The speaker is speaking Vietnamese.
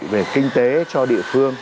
về kinh tế cho địa phương